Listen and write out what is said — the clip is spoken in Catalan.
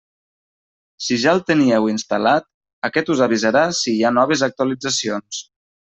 Si ja el teníeu instal·lat, aquest us avisarà si hi ha noves actualitzacions.